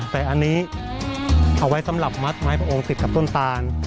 แต่อันนี้เอาไว้สำหรับมัดไม้พระองค์ติดกับต้นตาล